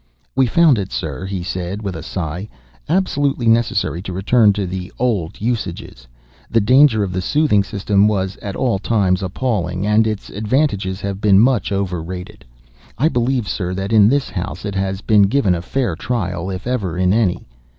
"We found it, sir," he said, with a sigh, "absolutely necessary to return to the old usages. The danger of the soothing system was, at all times, appalling; and its advantages have been much overrated. I believe, sir, that in this house it has been given a fair trial, if ever in any.